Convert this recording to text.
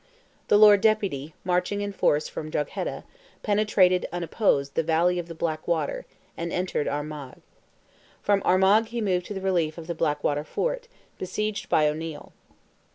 The Lord Deputy, marching in force from Drogheda, penetrated, unopposed, the valley of the Blackwater, and entered Armagh. From Armagh he moved to the relief of the Blackwater fort, besieged by O'Neil.